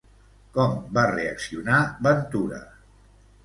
Com va reaccionar Ventura?